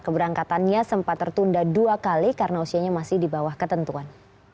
keberangkatannya sempat tertunda dua kali karena usianya masih di bawah ketentuan